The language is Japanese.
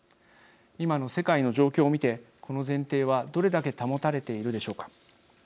今の世界の状況を見てこの前提はどれだけ保たれているでしょうか。